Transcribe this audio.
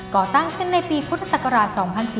ก่อตั้งขึ้นในปีพุทธศักราช๒๔๙